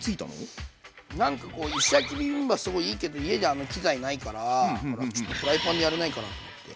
なんかこう石焼きビビンバすごいいいけど家であの器材ないからちょっとフライパンでやれないかなって。